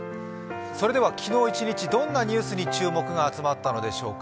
それでは昨日一日どんなニュースに注目が集まったのでしょうか。